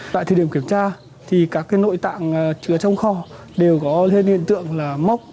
tại thời điểm kiểm tra thì các cái nội tạng chứa trong kho đều có lên hiện tượng là mốc